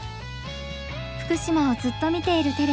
「福島をずっと見ているＴＶ」